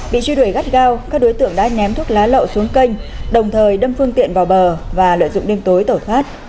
bị truy đuổi gắt gao các đối tượng đã ném thuốc lá lậu xuống kênh đồng thời đâm phương tiện vào bờ và lợi dụng đêm tối tẩu thoát